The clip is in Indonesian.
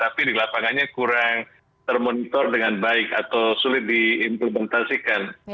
tapi di lapangannya kurang termonitor dengan baik atau sulit diimplementasikan